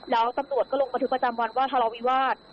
แล้วตำรวจก็ลงบันทึกประจำวันว่าทะเลาวิวาส